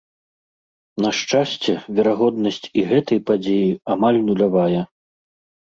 На шчасце, верагоднасць і гэтай падзеі амаль нулявая.